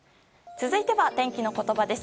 続いては、天気のことばです。